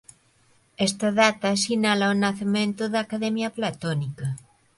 Esta data sinala o nacemento da Academia platónica.